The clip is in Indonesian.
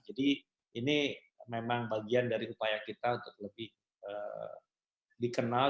jadi ini memang bagian dari upaya kita untuk lebih dikenal